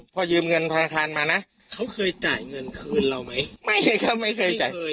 พอยืมเงินธนาคารมานะเขาเคยจ่ายเงินคืนเราไหมไม่ครับไม่เคยจ่าย